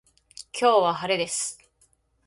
今日は晴れです。